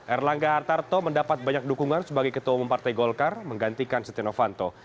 erlangga hartarto mendapat banyak dukungan sebagai ketua umum partai golkar menggantikan setia novanto